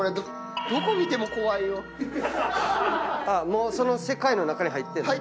もうその世界の中に入ってるの？